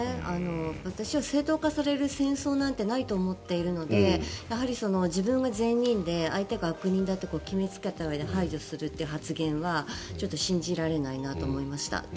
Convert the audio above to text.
私は正当化される戦争なんてないと思っているのでやはり、自分が善人で相手が悪人だって決めつけたうえで排除するという発言はちょっと信じられないなと思いました。